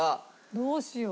どうしよう。